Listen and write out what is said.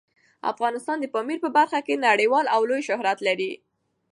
افغانستان د پامیر په برخه کې نړیوال او لوی شهرت لري.